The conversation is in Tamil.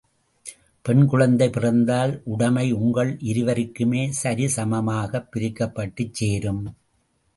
பெண் குழந்தை பிறந்தால், உடமை உங்கள் இருவருக்குமே சரி சமாகப் பிரிக்கப்பட்டுச் சேரும்.